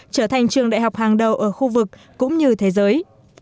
trở thành trường đại học hàng đầu ở khu vực cũng như thế giới